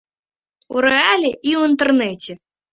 У рэале і ў інтэрнэце.